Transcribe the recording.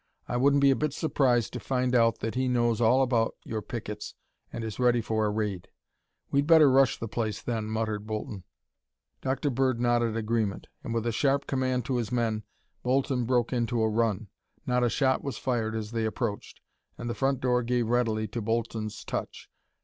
I wouldn't be a bit surprised to find out that he knows all about your pickets and is ready for a raid." "We'd better rush the place, then," muttered Bolton. Dr. Bird nodded agreement and with a sharp command to his men Bolton broke into a run. Not a shot was fired as they approached, and the front door gave readily to Bolton's touch.